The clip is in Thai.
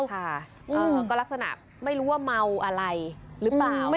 ค่ะก็ลักษณะไม่รู้ว่าเมาอะไรหรือเปล่า